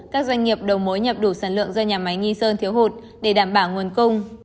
các doanh nghiệp đầu mối nhập đủ sản lượng do nhà máy nghi sơn thiếu hụt để đảm bảo nguồn cung